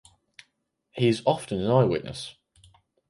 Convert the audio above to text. He is often an eyewitness.